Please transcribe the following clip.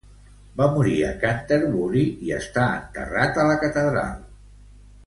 Va morir a Canterbury i està enterrat a la catedral.